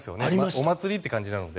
お祭りって感じなので。